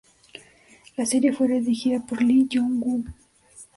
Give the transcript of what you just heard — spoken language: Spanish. La serie fue dirigida por Lee Myung Woo.